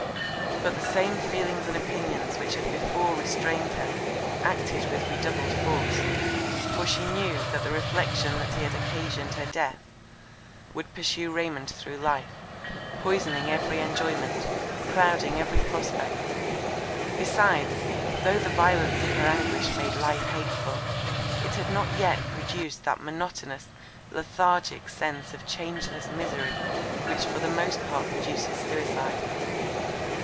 But the same feelings and opinions which had before restrained her, acted with redoubled force; for she knew that the reflection that he had occasioned her death, would pursue Raymond through life, poisoning every enjoyment, clouding every prospect. Besides, though the violence of her anguish made life hateful, it had not yet produced that monotonous, lethargic sense of changeless misery which for the most part produces suicide.